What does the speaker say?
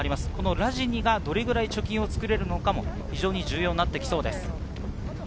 ラジニがどれくらい貯金を作れるのか重要になってきそうです。